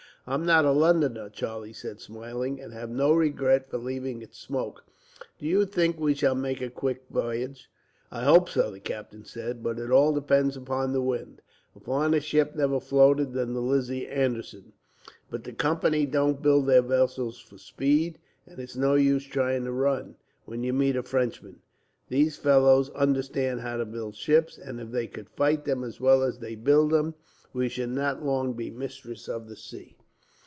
"I'm not a Londoner," Charlie said, smiling, "and have no regret for leaving its smoke. Do you think we shall make a quick voyage?" "I hope so," the captain said, "but it all depends upon the wind. A finer ship never floated than the Lizzie Anderson; but the Company don't build their vessels for speed, and it's no use trying to run, when you meet a Frenchman. Those fellows understand how to build ships, and if they could fight them as well as they build them, we should not long be mistress of the sea."